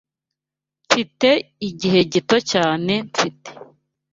Mfite igihe gito cyane mfite.